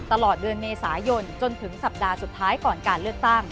ตลอดเดือนเมษายนจนถึงสัปดาห์สุดท้ายก่อนการเลือกตั้ง